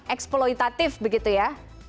eksploitatif begitu ya